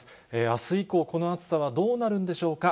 あす以降、この暑さはどうなるんでしょうか。